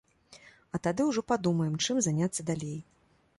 А тады ўжо падумаем чым заняцца далей.